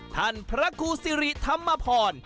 ท่านพระครูซิริธรรมพร